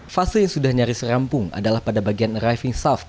fase yang sudah nyaris rampung adalah pada bagian arriving soft